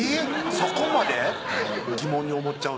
そこまで疑問に思っちゃうの？